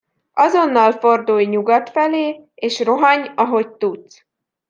Azonnal fordulj nyugat felé, és rohanj, ahogy tudsz.